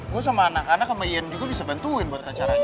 gue sama anak anak sama ian juga bisa bantuin buat acaranya